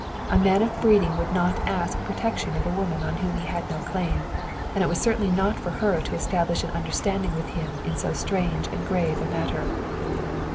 A man of breeding would not ask protection of a woman on whom he had no claim, and it was certainly not for her to establish an understanding with him in so strange and grave a matter.